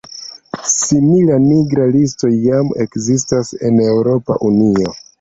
Simila "nigra listo" jam ekzistas en Eŭropa Unio.